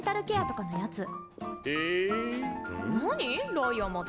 ライアンまで。